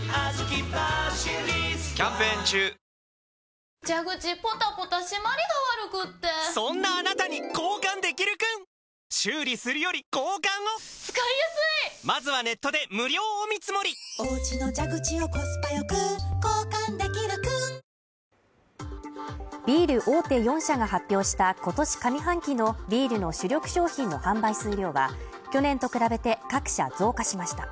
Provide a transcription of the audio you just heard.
はじけすぎでしょ『三ツ矢サイダー』ビール大手４社が発表した今年上半期のビールの主力商品の販売数量は去年と比べて、各社増加しました。